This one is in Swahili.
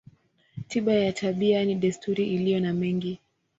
Tiba ya tabia ni desturi iliyo na mengi.